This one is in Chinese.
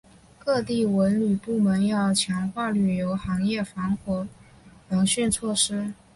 各地文旅部门要强化旅游行业防火防汛措施